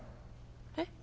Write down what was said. えっ？